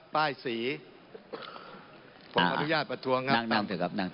นั่งเถอะครับ